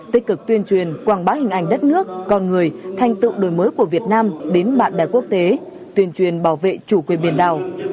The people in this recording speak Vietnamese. tích cực tuyên truyền quảng bá hình ảnh đất nước con người thành tựu đổi mới của việt nam đến bạn bè quốc tế tuyên truyền bảo vệ chủ quyền biển đảo